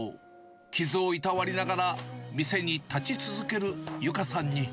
傷をいたわりながら、店に立ち続ける結花さんに。